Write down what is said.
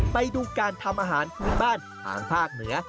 ไปดูการทำอาหารพื้นบ้านทางภาคเหนือ